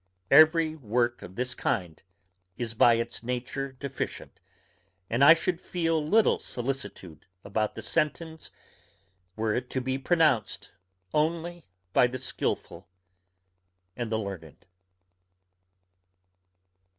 Every work of this kind is by its nature deficient, and I should feel little solicitude about the sentence, were it to be pronounced only by the skilful and the learned.